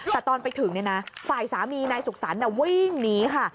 แต่ตอนไปถึงเนี่ยนะฝ่ายสามีนายสุขศรนะวิ่งหนีค่ะ